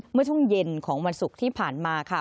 เมื่อช่วงเย็นของวันศุกร์ที่ผ่านมาค่ะ